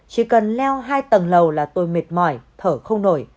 chỉ cần leo hai tầng lầu là tôi mệt mỏi thở không nổi